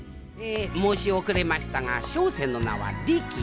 え申し遅れましたが小生の名はリキ。